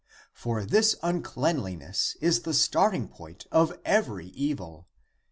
For this (uncleanliness) is the starting point of every evil.